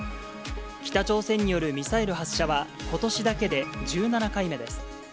北朝鮮によるミサイル発射は、ことしだけで１７回目です。